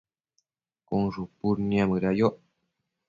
cun shupud niamëda yoc